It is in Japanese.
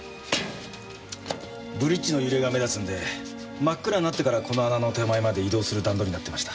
ブリッジの揺れが目立つんで真っ暗になってからこの穴の手前まで移動する段取りになってました。